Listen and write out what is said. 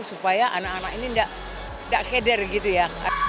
supaya anak anak ini tidak keder gitu ya